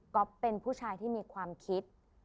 เป็นผู้ชายที่มีความคิด